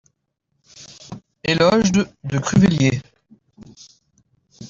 Eloge de Cruveilhier.